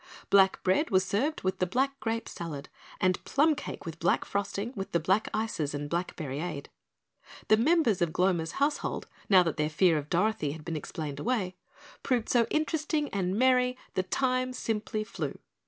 Black bread was served with the black grape salad and plum cake with black frosting with the black ices and blackberryade. The members of Gloma's household, now that their fear of Dorothy had been explained away, proved so interesting and merry, the time simply flew.